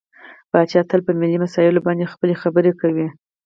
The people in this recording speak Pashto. پاچا تل په ملي مسايلو باندې خپله خبرې کوي .